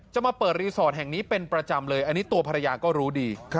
มาเปิดรีสอร์ทแห่งนี้เป็นประจำเลยอันนี้ตัวภรรยาก็รู้ดี